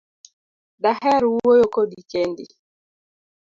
Daher wuoyo Kodi kendi